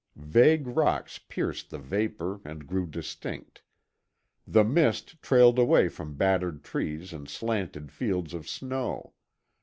Vague rocks pierced the vapor and grew distinct; the mist trailed away from battered trees and slanted fields of snow.